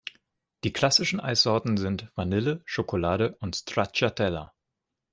Die klassichen Eissorten sind Vanille, Schokolade und Stracciatella.